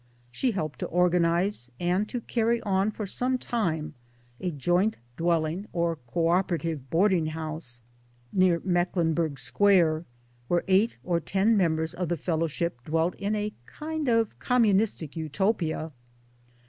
She helped to organize and to carry on for some time a joint dwelling or co operative boarding house near Mecklenburgh Square, where eight or ten members of the Fellowship dwelt in a kind of communistic Utopia.